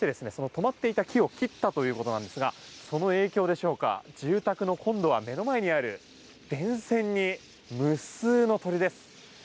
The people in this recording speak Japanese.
止まっていた木を切ったということなんですがその影響でしょうか住宅の今度は目の前にある電線に、無数の鳥です。